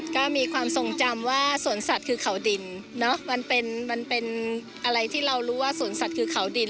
ก็มีความทรงจำว่าสวนสัตว์คือเขาดินเนอะมันเป็นมันเป็นอะไรที่เรารู้ว่าสวนสัตว์คือเขาดิน